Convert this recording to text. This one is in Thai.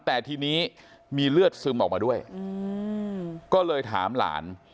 แต่ทีนี้มีเลือดซึมออกมาด้วยก็เลยถามหลาน